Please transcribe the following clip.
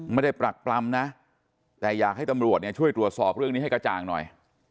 ปรักปรำนะแต่อยากให้ตำรวจเนี่ยช่วยตรวจสอบเรื่องนี้ให้กระจ่างหน่อย